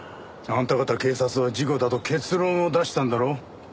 あんた方警察は事故だと結論を出したんだろ？